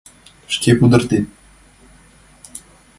— Шке пудыртет...